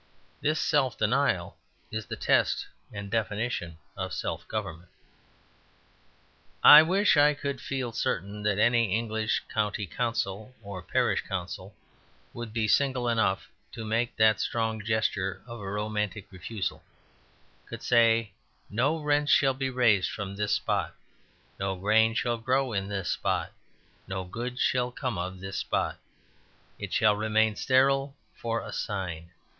This self denial is the test and definition of self government. I wish I could feel certain that any English County Council or Parish Council would be single enough to make that strong gesture of a romantic refusal; could say, "No rents shall be raised from this spot; no grain shall grow in this spot; no good shall come of this spot; it shall remain sterile for a sign."